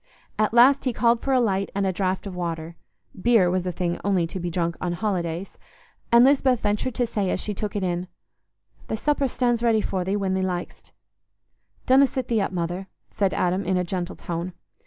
At last he called for a light and a draught of water (beer was a thing only to be drunk on holidays), and Lisbeth ventured to say as she took it in, "Thy supper stan's ready for thee, when thee lik'st." "Donna thee sit up, mother," said Adam, in a gentle tone.